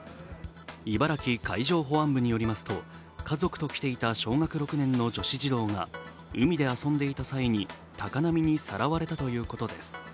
茨城海上保安部によりますと、家族と来ていた小学６年の女子児童が海で遊んでいた際に、高波にさらわれたということです。